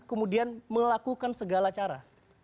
kemudian melakukan segala cara